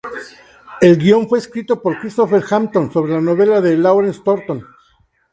El guion fue escrito por Christopher Hampton sobre una novela de Lawrence Thornton.